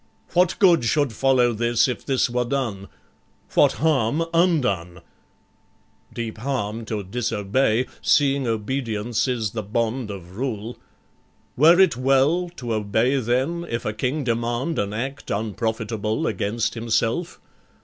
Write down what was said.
What good should follow this, if this were done? What harm, undone? Deep harm to disobey, Seeing obedience is the bond of rule. Were it well to obey then, if a king demand An act unprofitable, against himself?